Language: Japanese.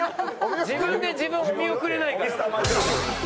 自分で自分をお見送れないから。